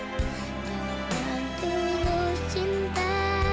dengan tulus cinta